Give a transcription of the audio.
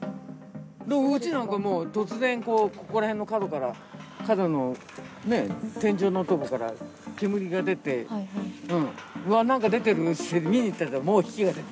うちなんかもう、突然こう、ここら辺の角から、角のね、天井のとこから煙が出て、わー、なんか出てるって言って、見に行ったら、もう火が出てた。